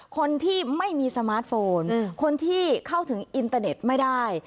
คนที่ไม่มีสมาร์ทโฟนคนที่เข้าถึงอินเตอร์เน็ตไม่ได้